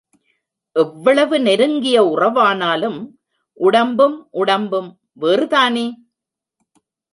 எவ்வளவு நெருங்கிய உறவானாலும் உடம்பும் உடம்பும் வேறுதானே?